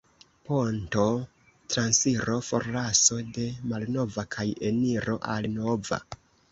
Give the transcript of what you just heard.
Ponto: Transiro, forlaso de malnova kaj eniro al nova.